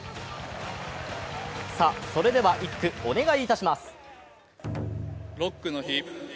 さあそれでは一句お願いいたします。